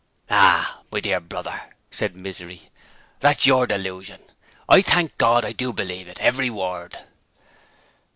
'Ah, my dear brother,' said Misery. 'That's your delusion. I thank God I do believe it, every word!'